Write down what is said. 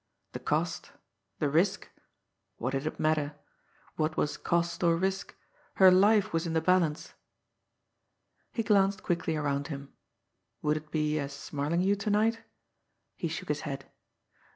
The cost! The risk! What did it matter? What was cost, or risk! Her life was in the balance! He glanced quickly around him. Would it be as Smarlinghue to night? He shook his head.